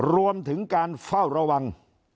รวมถึงการเฝ้าระวัง